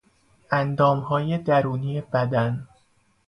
اندامهای درونی بدن